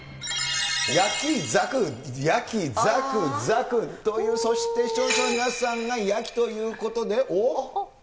焼き、ザク、焼き、ザク、ザクという、そして視聴者の皆さんが焼きということで、おおっ？